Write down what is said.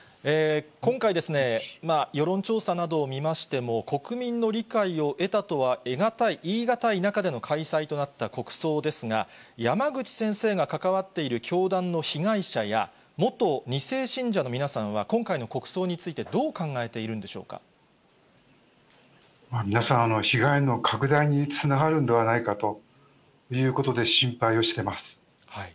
今回、世論調査などを見ましても、国民の理解を得たとは得難い、言い難い中での開催となった国葬ですが、山口先生が関わっている教団の被害者や、元２世信者の皆さんは、今回の国葬について、どう考えているんで皆さん、被害の拡大につながるんではないかということで、心配をしてます。